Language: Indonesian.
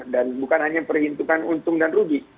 dan bukan hanya perhitungan untung dan rugi